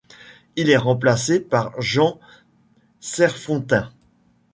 Il est remplacé par Jan Serfontein.